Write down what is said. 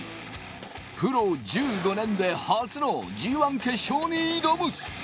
プロ１５年で初のＧ１決勝に挑む。